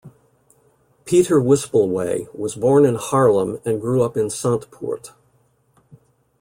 Pieter Wispelwey was born in Haarlem and grew up in Santpoort.